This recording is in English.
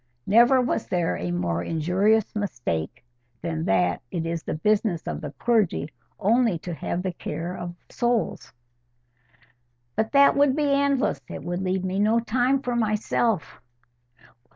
Never was there a more injurious mistake than that it is the business of the clergy only to have the care of souls." "But that would be endless. It would leave me no time for myself."